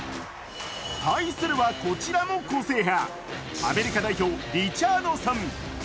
対するは、こちらも個性派アメリカ代表・リチャードソン。